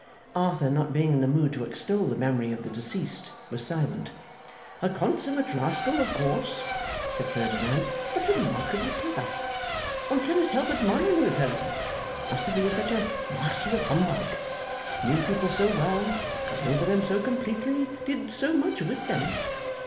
Arthur, not being in the mood to extol the memory of the deceased, was silent. 'A consummate rascal, of course,' said Ferdinand, 'but remarkably clever! One cannot help admiring the fellow. Must have been such a master of humbug. Knew people so well got over them so completely did so much with them!